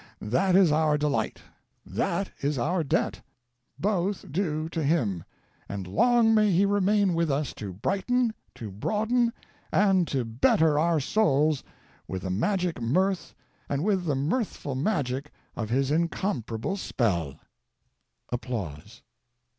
That is our delight, that is our debt, both due to him, & long may he remain with us to brighten, to broaden, and to better our souls with the magic mirth and with the mirthful magic of his incomparable spell. [Applause.